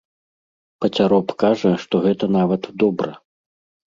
Пацяроб кажа, што гэта нават добра.